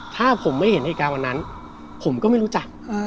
ถ้าผมไม่เห็นเหตุการณ์วันนั้นผมก็ไม่รู้จัก